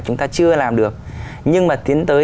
chúng ta chưa làm được nhưng mà tiến tới